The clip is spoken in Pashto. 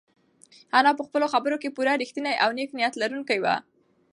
انا په خپلو خبرو کې پوره رښتینې او نېک نیت لرونکې وه.